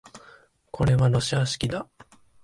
これはロシア式だ